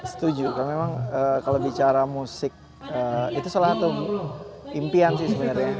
setuju memang kalau bicara musik itu salah satu impian sih sebenarnya